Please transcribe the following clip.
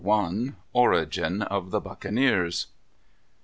_Origin of the Buccaneers.